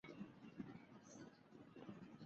张某不服提起诉愿。